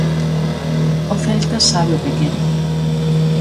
O Celta sabe o que quere.